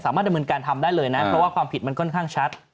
ดำเนินการทำได้เลยนะเพราะว่าความผิดมันค่อนข้างชัด